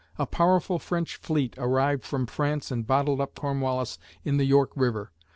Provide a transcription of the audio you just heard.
A powerful French fleet arrived from France and bottled up Cornwallis in the York River.